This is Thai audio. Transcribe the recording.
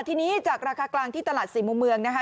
ทีนี้จากราคากลางที่ตลาดสี่มุมเมืองนะคะ